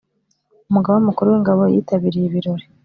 Umugaba Mukuru w’Ingabo yitabiriye ibirori